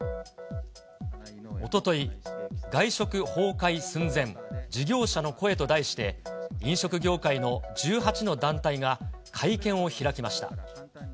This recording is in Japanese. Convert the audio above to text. おととい、外食崩壊寸前、事業者の声と題して、飲食業界の１８の団体が会見を開きました。